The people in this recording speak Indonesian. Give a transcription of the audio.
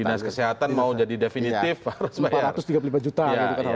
dinas kesehatan mau jadi definitif harus bayar